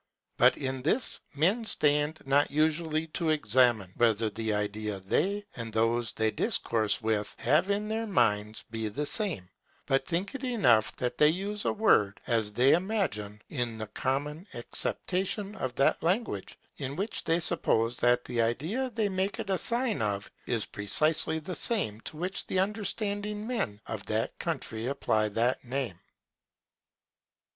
But in this men stand not usually to examine, whether the idea they, and those they discourse with have in their minds be the same: but think it enough that they use the word, as they imagine, in the common acceptation of that language; in which they suppose that the idea they make it a sign of is precisely the same to which the understanding men of that country apply that name.